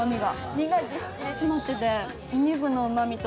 身がぎっしり詰まってて、お肉のうまみと。